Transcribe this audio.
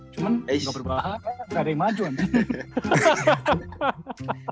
cuma nggak berbahaya nggak ada yang maju anjing